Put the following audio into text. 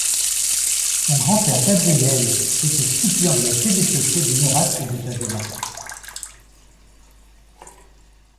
Son grand-père, Gabriel était suppléant de la Sénéchaussée de Nérac aux États Généraux.